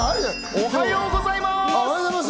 おはようございます！